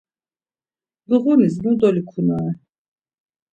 Dugunis mu dolikunare?